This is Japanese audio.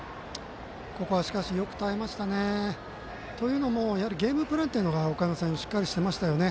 ここは、しかしよく耐えましたね。というのもゲームプランというのがおかやま山陽しっかりしてましたよね。